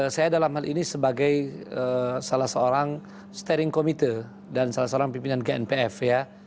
saya dalam hal ini sebagai salah seorang steering committee dan salah seorang pimpinan gnpf ya